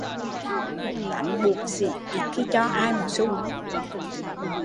Tánh bủn xỉn ít khi cho ai một xu